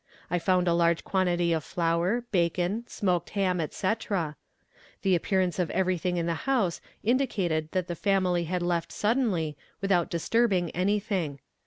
I found a large quantity of flour, bacon, smoked ham, etc. The appearance of everything in the house indicated that the family had left suddenly, without disturbing anything.